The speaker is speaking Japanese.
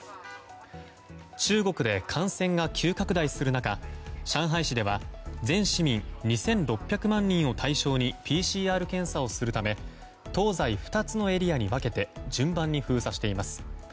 中国で感染が急拡大する中上海市では全市民２６００万人を対象にＰＣＲ検査をするため東西２つのエリアに分けて順番に封鎖しています。